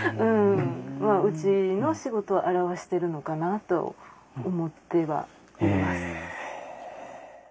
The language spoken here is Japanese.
まあうちの仕事を表しているのかなと思ってはいます。